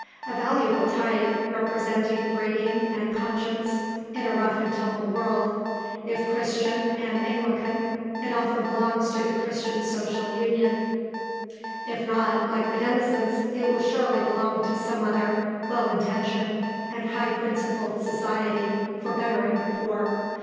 A valuable type, representing breeding and conscience in a rough and tumble world; if Christian and Anglican, it often belongs to the Christian Social Union; if not, like the Denisons, it will surely belong to some other well intentioned and high principled society for bettering the poor.